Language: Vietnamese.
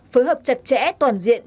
phối hợp chặt chẽ toàn diện